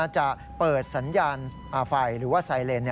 จะเปิดสัญญาณไฟหรือว่าไซเลน